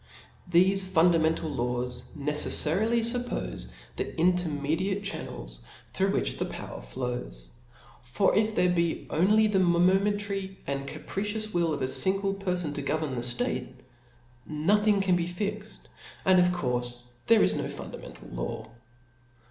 Thefe fundamental laws negeJTarily. fuppofe the intermediate channels through W'high the power flows : for if there be only the momentary and capricious will of a fin ale perfon to govern the ftate, nothing can be fixed, and of courfe there is no fundamental law.